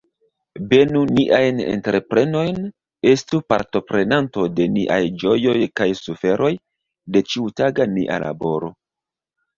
Benu niajn entreprenojn, estu partoprenanto de niaj ĝojoj kaj suferoj, de ĉiutaga nia laboro.